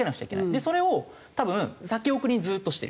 それを多分先送りにずっとしてる。